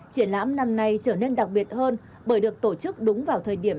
triển lãm năm nay trở nên đặc biệt hơn bởi được tổ chức đúng vào thời điểm